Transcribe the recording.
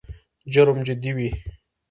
جرم جدي وي.